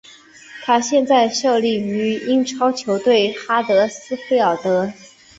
他现在效力于英超球队哈德斯菲尔德。